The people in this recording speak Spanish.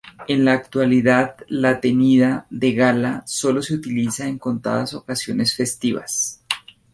En la actualidad, la tenida "De Gala" sólo se utiliza en contadas ocasiones festivas.